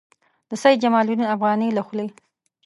د سید جمال الدین افغاني له خولې.